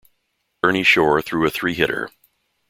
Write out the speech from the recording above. Ernie Shore threw a three-hitter.